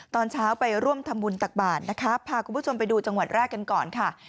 ตอนเช้าไปร่วมทำบุญตักบาทนะคะพาคุณผู้ชมไปดูจังหวัดแรกกันก่อนค่ะ